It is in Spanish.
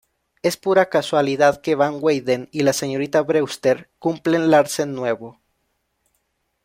Es pura casualidad que van Weyden y la señorita Brewster cumplen Larsen nuevo.